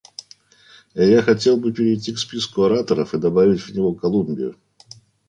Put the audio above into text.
Я хотел бы перейти к списку ораторов и добавить в него Колумбию.